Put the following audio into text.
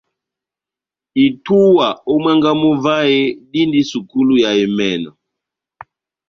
Itúwa ó mwángá mú vahe dindi sukulu ya emɛnɔ.